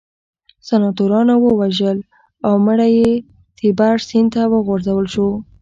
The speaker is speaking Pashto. سناتورانو ووژل او مړی یې تیبر سیند ته وغورځول شو